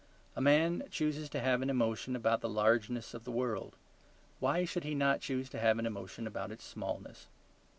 A man chooses to have an emotion about the largeness of the world; why should he not choose to have an emotion about its smallness?